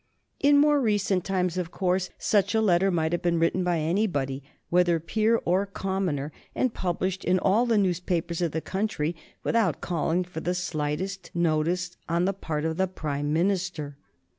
In more recent times, of course, such a letter might have been written by anybody, whether peer or commoner, and published in all the newspapers of the country without calling for the slightest notice on the part of a Prime Minister.